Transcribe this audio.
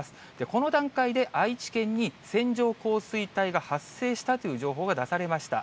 この段階で、愛知県に線状降水帯が発生したという情報が出されました。